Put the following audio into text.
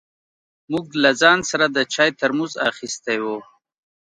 موږ له ځان سره د چای ترموز اخيستی و.